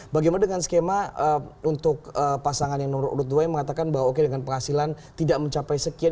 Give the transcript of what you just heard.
bagaimana dengan skema untuk pasangan yang menurut udut dway mengatakan bahwa oke dengan penghasilan tidak mencapai sekian